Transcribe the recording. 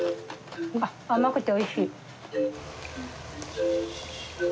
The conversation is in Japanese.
あっ甘くておいしい。